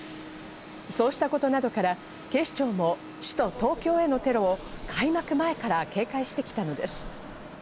そうしたことなどから、警視庁も首都・東京へのテロを開幕前から警戒してきたのです。